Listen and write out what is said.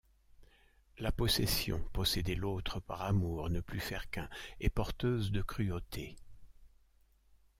La possession, posséder l'autre par amour, ne plus faire qu'un, est porteuse de cruauté.